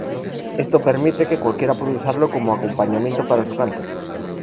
Esto permite que cualquiera pueda usarlo como acompañamiento para su canto.